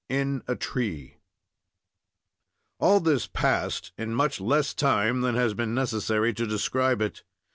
IN A TREE All this passed in much less time than has been necessary to describe it.